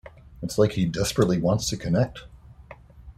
It's like he desperately wants to connect.